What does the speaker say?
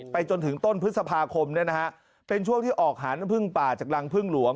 ไปจนถึงต้นพฤษภาคมเป็นช่วงที่ออกหาน้ำผึ้งป่าจากรังผึ้งหลวง